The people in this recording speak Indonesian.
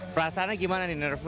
perasaannya gimana nih nervous